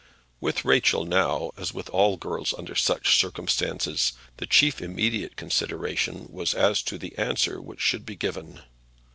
With Rachel now, as with all girls under such circumstances, the chief immediate consideration was as to the answer which should be given.